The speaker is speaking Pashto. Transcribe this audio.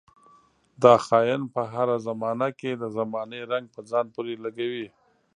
دا خاين پر هره زمانه کې د زمانې رنګ په ځان پورې لګوي.